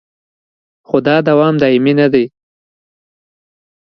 خو دا دوام دایمي نه دی